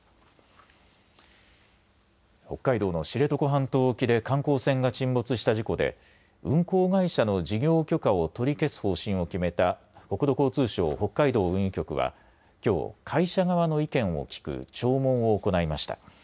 北海道の知床半島沖で観光船が沈没した事故で運航会社の事業許可を取り消す方針を決めた国土交通省北海道運輸局はきょう、会社側の意見を聞く聴聞を行いました。